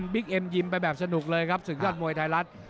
เอ็มยิมไปแบบสนุกเลยครับศึกยอดมวยไทยรัฐ